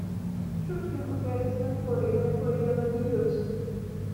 Чорт яго бяры з надвор'ем, якое яно ні ёсць!